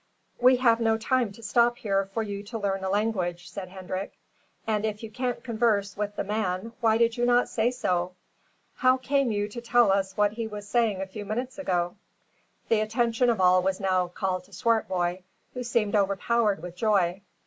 "We have no time to stop here for you to learn a language," said Hendrik. "And if you can't converse with the man why did you not say so? How came you to tell us what he was saying a few minutes ago?" The attention of all was now called to Swartboy, who seemed overpowered with joy.